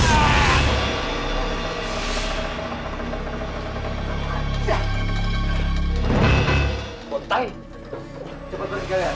jangan jangan jangan jangan